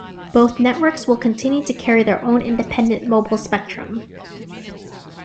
Both networks will continue to carry their own independent mobile spectrum.